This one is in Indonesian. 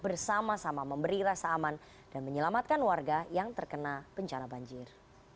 bersama sama memberi rasa aman dan menyelamatkan warga yang terkena pencara banjir